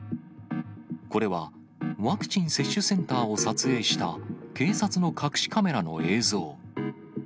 これはワクチン接種センターを撮影した警察の隠しカメラの映像。